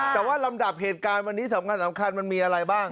แต่ว่าลำดับเหตุการณ์วันนี้สำคัญมันมีอะไรบ้าง